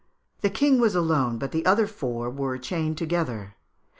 The king was alone, but the other four were chained together.